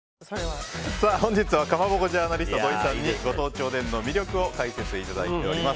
本日はかまぼこジャーナリスト土井さんにご当地おでんの魅力を解説していただいています。